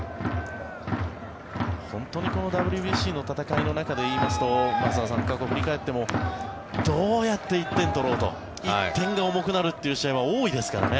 本当にＷＢＣの戦いの中で言いますと松坂さん、過去を振り返ってもどうやって１点を取ろうと１点が重くなるという試合は多いですからね。